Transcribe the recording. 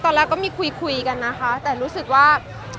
ตอนแรกก็จริงก็ตอนแรกก็มีคุยกันนะคะแต่รู้สึกว่า